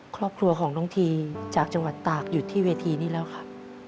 ครอบครัวของน้องทีจากจังหวัดตากหยุดที่เวทีนี้แล้วครับ